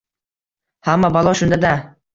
— Hamma balo shunda-da!